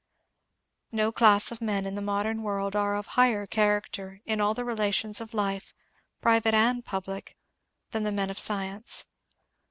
No class of men in the modem world are of higher charac ter in all the relations of life, private and public, than the men of science.